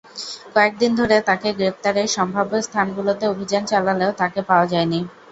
কয়েক দিন ধরে তাঁকে গ্রেপ্তারে সম্ভাব্য স্থানগুলোতে অভিযান চালালেও তাঁকে পাওয়া যায়নি।